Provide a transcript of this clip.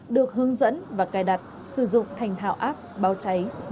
được hướng dẫn và cài đặt sử dụng thành thảo app báo cháy một trăm một mươi bốn